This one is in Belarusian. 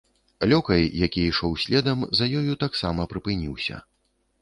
Лёкай, які ішоў следам, за ёю таксама прыпыніўся.